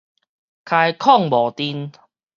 開礦無津